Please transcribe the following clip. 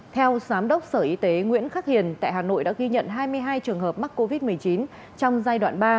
theo giám đốc sở y tế nguyễn khắc hiền tại hà nội đã ghi nhận hai mươi hai trường hợp mắc covid một mươi chín trong giai đoạn ba